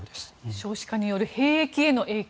少子化による兵役への影響